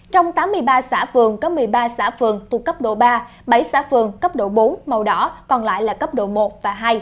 trong tám mươi ba xã phường có một mươi ba xã phường thuộc cấp độ ba bảy xã phường cấp độ bốn màu đỏ còn lại là cấp độ một và hai